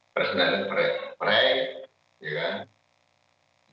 personal break ya kan